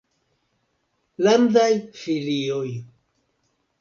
landaj filioj.